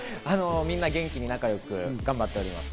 みんな元気に仲良く頑張っております。